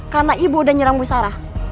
karena ibu udah nyerang ibu sarah